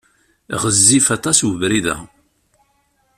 Ɣezzif aṭas webrid-a.